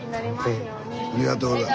ありがとうござい。